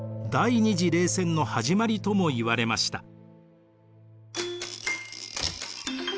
第二次冷戦の始まりともいわれました。